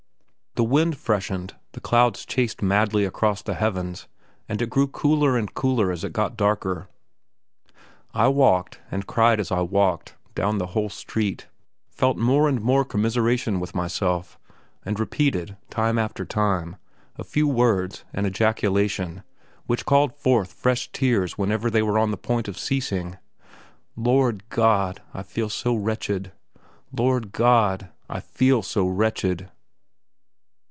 The wind freshened, the clouds chased madly across the heavens, and it grew cooler and cooler as it got darker. I walked, and cried as I walked, down the whole street; felt more and more commiseration with myself, and repeated, time after time, a few words, an ejaculation, which called forth fresh tears whenever they were on the point of ceasing: "Lord God, I feel so wretched! Lord God, I feel so wretched!"